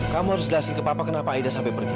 kamu harus jelasin ke papa kenapa ida sampai pergi